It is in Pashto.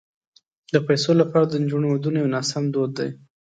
د پيسو لپاره د نجونو ودونه یو ناسم دود دی.